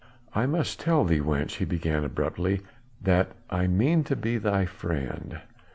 "I must tell thee, wench," he began abruptly, "that I mean to be thy friend.